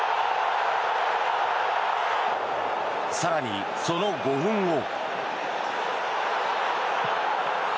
更にその５分後。